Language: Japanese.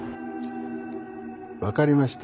分かりました。